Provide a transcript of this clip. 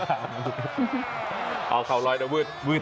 เธอเกลียดเข่ารอยแต่วืด